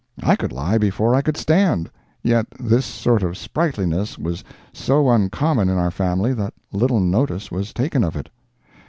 I could lie before I could stand—yet this sort of sprightliness was so common in our family that little notice was taken of it.